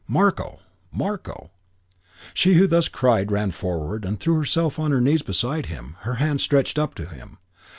"Marko! Marko!" She who thus cried ran forward and threw herself on her knees beside him, her hands stretched up to him.